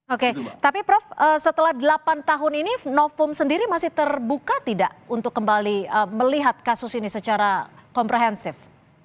oke tapi prof setelah delapan tahun ini novum sendiri masih terbuka tidak untuk kembali melihat kasus ini secara komprehensif